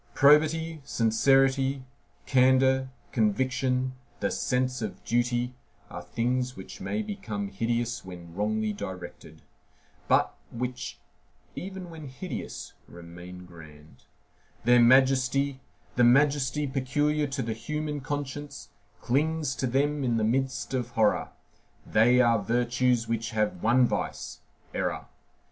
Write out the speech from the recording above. Probity, sincerity, candor, conviction, the sense of duty, are things which may become hideous when wrongly directed; but which, even when hideous, remain grand: their majesty, the majesty peculiar to the human conscience, clings to them in the midst of horror; they are virtues which have one vice,—error.